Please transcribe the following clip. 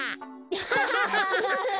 ハハハハ。